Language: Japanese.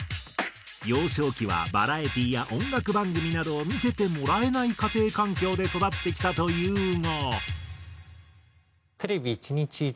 幼少期はバラエティーや音楽番組などを見せてもらえない家庭環境で育ってきたというが。